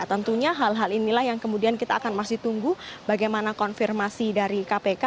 tentunya hal hal inilah yang kemudian kita akan masih tunggu bagaimana konfirmasi dari kpk